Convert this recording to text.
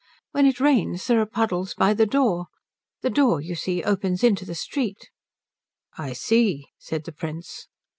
"When it rains there are puddles by the door. The door, you see, opens into the street." "I see," said the Prince.